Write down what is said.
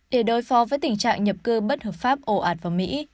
để đối phó với tình trạng nhập cư bất hợp pháp ổ ạt vào mỹ